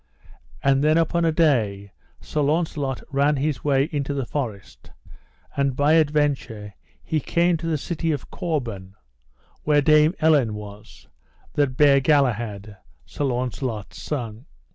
And then upon a day Sir Launcelot ran his way into the forest; and by adventure he came to the city of Corbin, where Dame Elaine was, that bare Galahad, Sir Launcelot's son.